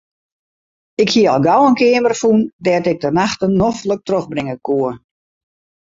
Ik hie al gau in keamer fûn dêr't ik de nachten noflik trochbringe koe.